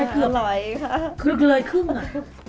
เกือบร้อยครึ่งอ่ะ